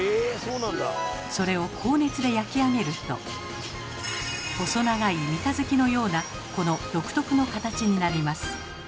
それを高熱で焼き上げると細長い三日月のようなこの独特の形になります。